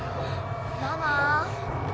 ママ？